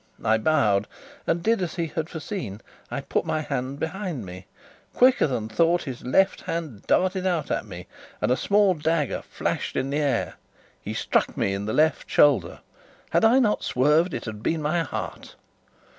I bowed, and did as he had foreseen I put my hands behind me. Quicker than thought, his left hand darted out at me, and a small dagger flashed in the air; he struck me in the left shoulder had I not swerved, it had been my heart.